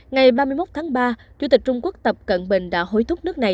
ngày ba mươi một tháng ba chủ tịch trung quốc tập cận bình đã hối thúc nước này